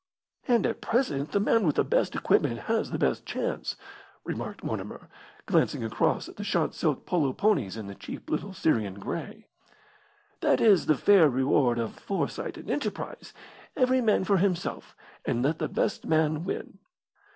"And at present the man with the best equipment has the best chance," remarked Mortimer, glancing across at the shot silk polo ponies and the cheap little Syrian grey. "That is the fair reward of foresight and enterprise. Every man for himself, and let the best man win."